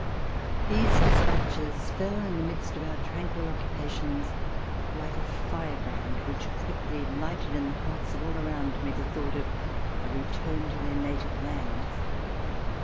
These dispatches fell in the midst of our tranquil occupations like a fire brand which quickly lighted in the hearts of all around me the thought of a return to their native land.